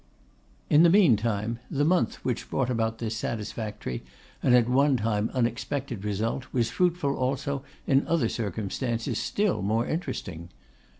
In the meantime, the month which brought about this satisfactory and at one time unexpected result was fruitful also in other circumstances still more interesting.